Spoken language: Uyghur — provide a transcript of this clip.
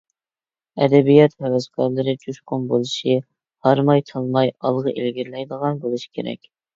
ئەدەبىيات ھەۋەسكارلىرى جۇشقۇن بولۇشى، ھارماي-تالماي ئالغا ئىلگىرىلەيدىغان بولۇشى كېرەك.